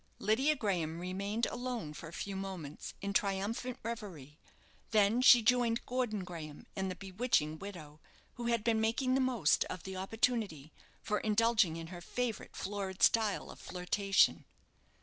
Lydia Graham remained alone for a few moments, in a triumphant reverie, then she joined Gordon Graham and the bewitching widow, who had been making the most of the opportunity for indulging in her favourite florid style of flirtation.